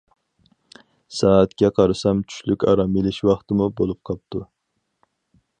سائەتكە قارىسام چۈشلۈك ئارام ئېلىش ۋاقىتمۇ بولۇپ قاپتۇ.